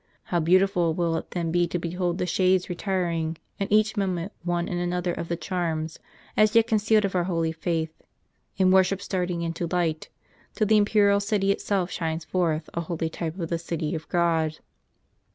How beautiful will it then be to behold the shades retiring, and each moment one and another of the charms, as yet concealed, of our holy faith and worship starting into light, till the imperial city itself shines forth a holy type of the city of God.